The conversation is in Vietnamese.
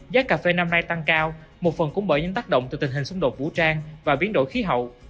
giá cà phê năm nay tăng cao một phần cũng bởi những tác động từ tình hình xung đột vũ trang và biến đổi khí hậu